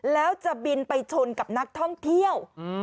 แล้วจะบินไปชนกับนักท่องเที่ยว